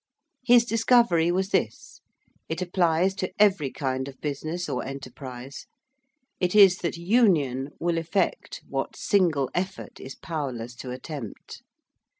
His discovery was this it applies to every kind of business or enterprise It is that union will effect what single effort is powerless to attempt.